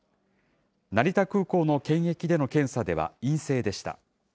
成田空港の検疫での検査では陰性でした。